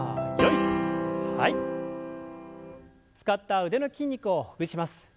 使った腕の筋肉をほぐします。